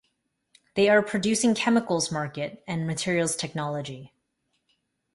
They are producing chemicals market and materials technology.